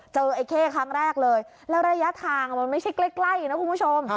ไอ้เข้ครั้งแรกเลยแล้วระยะทางมันไม่ใช่ใกล้นะคุณผู้ชม